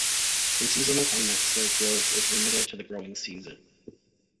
In seasonal climates, their growth is limited to the growing season.